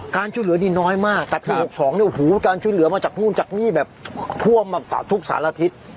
การช่วยเหลือนี่น้อยมากแต่ปี๖๒เนี่ยโอ้โหการช่วยเหลือมาจากนู่นจากนี่แบบท่วมทุกสารอาทิตย์